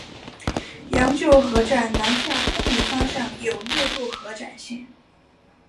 羊臼河站南下昆明方向有六渡河展线。